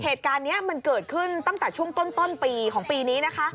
เหตุการณ์นี้มันเกิดขึ้นตั้งแต่ช่วงต้นปีของปีนี้นะคะ